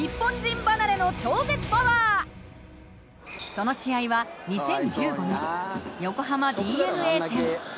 その試合は２０１５年横浜ＤｅＮＡ戦。